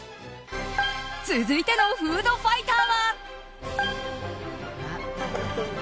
続いてのフードファイターは。